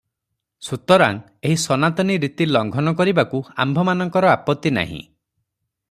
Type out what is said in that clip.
ସୁତରାଂ, ଏହି ସନାତନ ରୀତି ଲଙ୍ଘନ କରିବାକୁ ଆମ୍ଭମାନଙ୍କର ଆପତ୍ତି ନାହିଁ ।